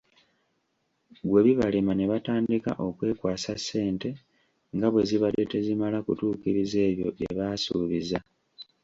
Bwe bibalema ne batandika okwekwasa ssente nga bwezibadde tezimala kutuukiriza ebyo byebaasuubiza.